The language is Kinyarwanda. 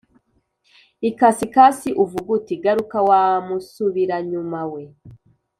ikasikazi uvuge uti Garuka wa musubiranyuma we